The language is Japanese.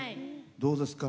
どうですか？